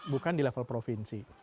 bukan di level provinsi